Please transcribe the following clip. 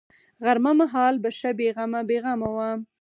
غرمه مهال به ښه بې غمه بې غمه وه.